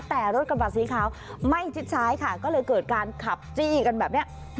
แต่รถกระบะสีขาวไม่ชิดซ้ายค่ะก็เลยเกิดการขับจี้กันแบบนี้